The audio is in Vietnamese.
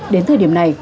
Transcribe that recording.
đến thời điểm này